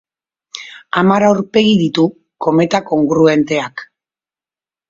Hamar aurpegi ditu: kometa kongruenteak.